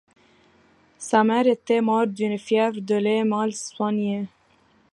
Sa mère était morte d’une fièvre de lait mal soignée.